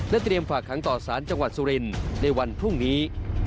เตรียมฝากขังต่อสารจังหวัดสุรินทร์ในวันพรุ่งนี้